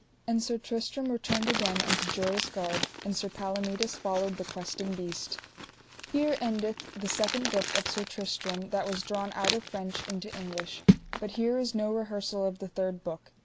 And Sir Tristram returned again unto Joyous Gard, and Sir Palomides followed the Questing Beast. _Here endeth the second book of Sir Tristram that was drawn out of French into English. But here is no rehersal of the third book.